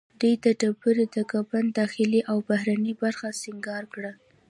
دوی د ډبرې د ګنبد داخلي او بهرنۍ برخه سنګار کړه.